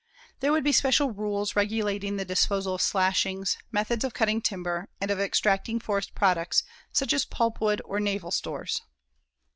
There would be special rules regulating the disposal of slashings, methods of cutting timber, and of extracting forest products such as pulpwood or naval stores.